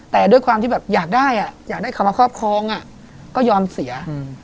แต่ด้วยความที่แบบอยากได้อยากได้เขามาครอบครองก็ยอมเสีย